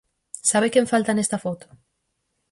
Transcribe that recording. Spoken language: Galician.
¿Sabe quen falta nesta foto?